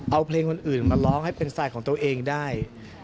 เอาเพลงคนอื่นมาร้องให้เป็นสไตล์ของตัวเองได้